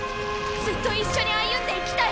ずっと一緒に歩んでいきたい！